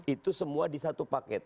itu semua di satu paket